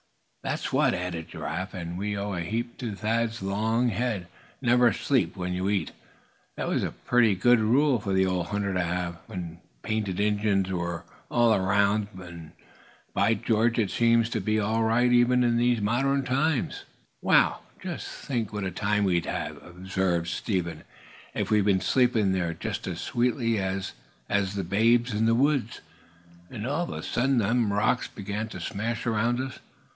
"That's what," added Giraffe. "And we owe a heap to Thad's long head. Never sleep where you eat that was a pretty good rule for the old hunter to have, when painted Injuns were all around him. And by George! it seems to be all right, even in these modern days." "Wow! just think what a time we'd a had," observed Step Hen, "if we'd been sleepin' there just as sweetly as as the babes in the woods, and all of a sudden them rocks began to smash around us.